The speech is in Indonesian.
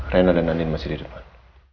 reina dan anin masih di depan